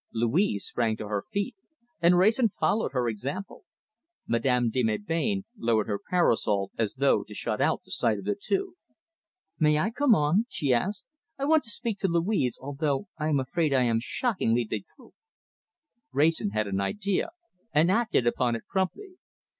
Louise sprang to her feet, and Wrayson followed her example. Madame de Melbain lowered her parasol as though to shut out the sight of the two. "May I come on?" she asked. "I want to speak to Louise, although I am afraid I am shockingly de trop." Wrayson had an idea, and acted upon it promptly.